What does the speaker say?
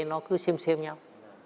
nó cứ xem xem nhau